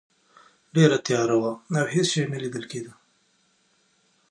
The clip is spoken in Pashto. ډیره تیاره وه او هیڅ شی نه لیدل کیده.